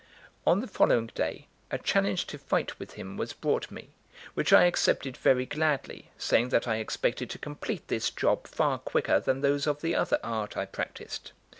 On the following day a challenge to fight with him was brought me, which I accepted very gladly, saying that I expected to complete this job far quicker than those of the other art I practised.